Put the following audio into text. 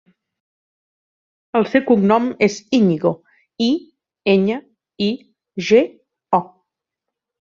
El seu cognom és Iñigo: i, enya, i, ge, o.